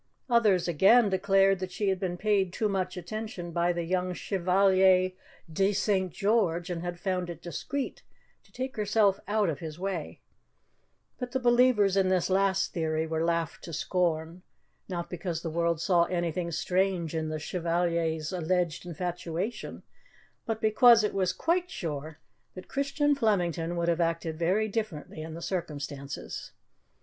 Others, again, declared that she had been paid too much attention by the young Chevalier de St. George and had found it discreet to take herself out of his way; but the believers in this last theory were laughed to scorn; not because the world saw anything strange in the Chevalier's alleged infatuation, but because it was quite sure that Christian Flemington would have acted very differently in the circumstances.